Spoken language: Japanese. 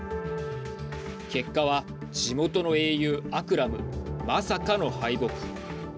結果は、地元の英雄アクラムまさかの敗北。